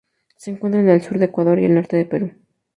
Se encuentra en el sur de Ecuador y el norte de Perú.